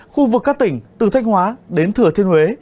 khu vực các tỉnh từ thanh hóa đến thừa thiên huế